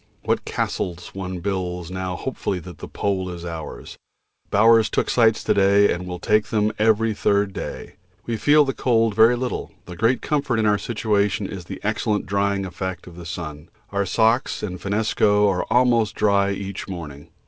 What castles one builds now hopefully that the Pole is ours. Bowers took sights to day and will take them every third day. We feel the cold very little, the great comfort of our situation is the excellent drying effect of the sun. Our socks and finnesko are almost dry each morning.